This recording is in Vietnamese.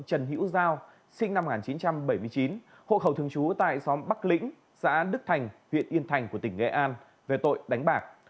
trần hữu giao sinh năm một nghìn chín trăm bảy mươi chín hộ khẩu thường trú tại xóm bắc lĩnh xã đức thành huyện yên thành của tỉnh nghệ an về tội đánh bạc